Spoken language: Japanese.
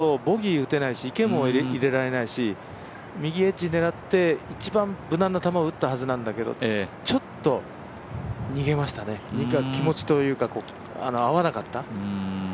だから２オーバーだとボギー打てないし池も入れられないし右エッジ狙って一番無難な球を打ったはずなんだけどちょっと逃げましたね、気持ちというか、合わなかった。